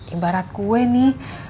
ibarat gue nih